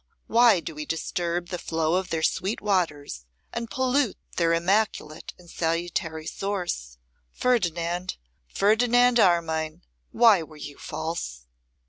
why do we disturb the flow of their sweet waters, and pollute their immaculate and salutary source! Ferdinand, Ferdinand Armine, why were you false?